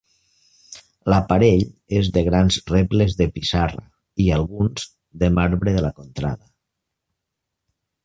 L'aparell és de grans rebles de pissarra i, alguns, de marbre de la contrada.